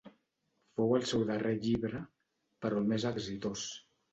Fou el seu darrer llibre, però el més exitós.